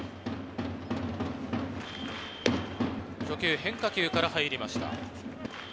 初球、変化球から入りました。